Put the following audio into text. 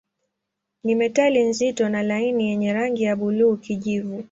Ni metali nzito na laini yenye rangi ya buluu-kijivu.